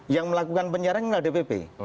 yang melakukan penyiaran adalah dpp